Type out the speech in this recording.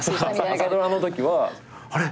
朝ドラのときはあれっ！？